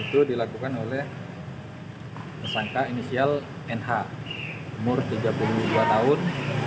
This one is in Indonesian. itu dilakukan oleh tersangka inisial nh umur tiga puluh dua tahun